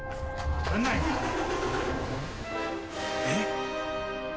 えっ。